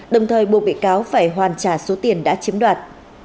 đồng thời buộc bị cáo phải hoàn trả số tiền đã chiếm đoạt